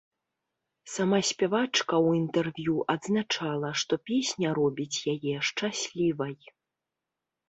Сама спявачка ў інтэрв'ю адзначала, што песня робіць яе шчаслівай.